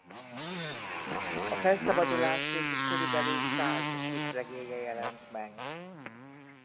A felszabadulásig körülbelül száz kisregénye jelent meg.